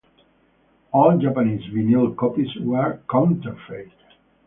All Japanese vinyl copies were counterfeit.